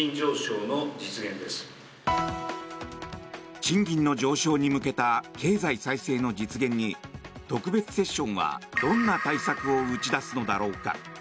賃金の上昇に向けた経済再生の実現に特別セッションはどんな対策を打ち出すのだろうか。